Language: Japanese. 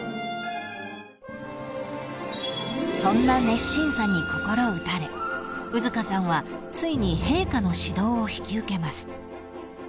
［そんな熱心さに心打たれ兎束さんはついに陛下の指導を引き受けます］